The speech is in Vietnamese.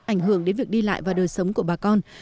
ảnh hưởng đến việc đi lại và đời sống của bà con